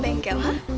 ke bengkel ha